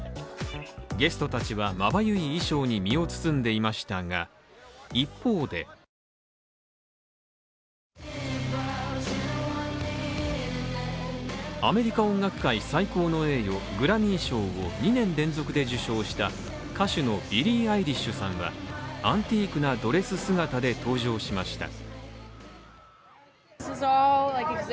ゲストたちはまばゆい衣装に身を包んでいましたが、一方でアメリカ音楽界最高の栄誉、グラミー賞を２年連続で受賞した歌手のビリー・アイリッシュさんが、アンティークなドレス姿で登場しました。